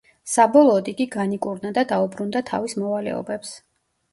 საბოლოოდ იგი განიკურნა და დაუბრუნდა თავის მოვალეობებს.